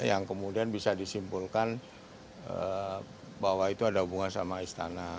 yang kemudian bisa disimpulkan bahwa itu ada hubungan sama istana